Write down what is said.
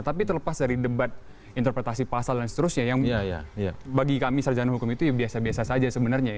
tapi terlepas dari debat interpretasi pasal dan seterusnya yang bagi kami sarjana hukum itu ya biasa biasa saja sebenarnya ya